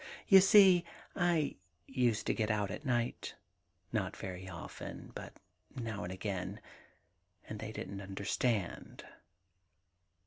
... You see, I used to get out at night — not very often, but now and again — and they didn't understand.'